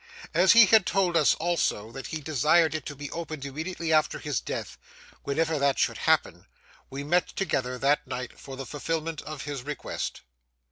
As he had told us also that he desired it to be opened immediately after his death, whenever that should happen, we met together that night for the fulfilment of his request.